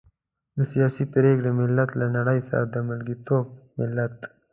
د سياسي پرېکړې ملت، له نړۍ سره د ملګرتوب ملت.